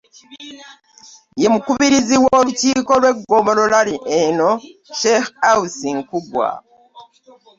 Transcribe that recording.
Ye omukubiriza w'olukiiko lw'eggombolola eno, Sheikh Awusi Nkugwa